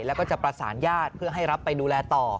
แล้วก็จะประสานญาติเพื่อให้รับไปดูแลต่อ